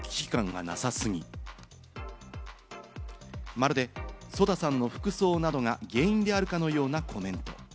まるでＳＯＤＡさんの服装などが原因であるかのようなコメント。